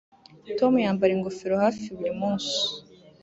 Tom yambara ingofero hafi buri munsi